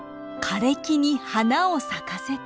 「枯れ木に花を咲かせたい」。